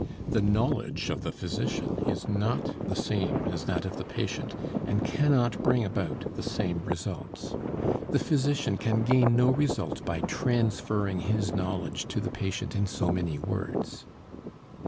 The knowledge of the physician is not the same as that of the patient and cannot bring about the same results. The physician can gain no results by transferring his knowledge to the patient in so many words.